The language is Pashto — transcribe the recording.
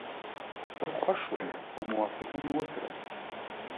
زه خوښ شوم او موافقه مې وکړه.